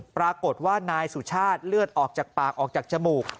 ปรากฏว่านายสุชาติเลือดออกจากปากออกจากจมูก